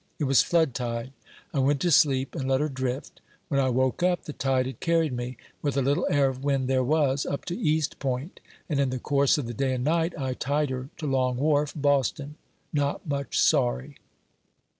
It was flood tide; I went to sleep and let her drift. When I woke up, the tide had carried me, with a little air of wind there was, up to East Point; and, in the course of the day and night, I tied her to Long Wharf, Boston not much sorry."